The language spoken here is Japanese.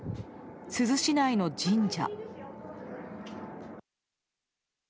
珠洲市内の神社。